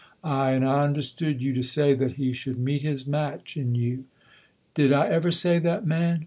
"Ay, and I understood you to say that he should meet his match in you." "Did I ever say that, man?